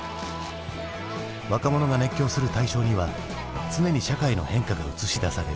若者が熱狂する対象には常に社会の変化が映し出される。